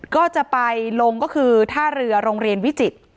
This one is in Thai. ก็จะไปลงก็คือท่าเรือโรงเรียนวิจิตร